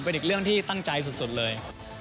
เป็นอีกเรื่องที่ตั้งใจสุดเลย